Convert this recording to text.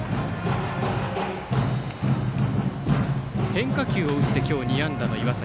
変化球を打って今日２安打の岩崎。